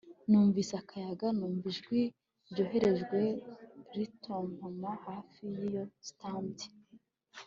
numvise akayaga numva ijwi ryoroheje ritontoma hafi yiyo stand